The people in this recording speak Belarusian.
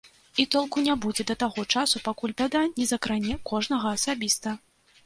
І толку не будзе да таго часу, пакуль бяда не закране кожнага асабіста.